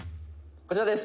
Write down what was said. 「こちらです」